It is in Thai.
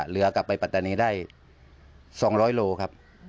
เหลือกลับไปปัตตานีได้๒๐๐โลครับ